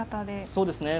そうですね。